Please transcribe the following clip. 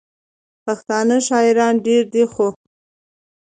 پښتانه شاعران ډېر دي، خو: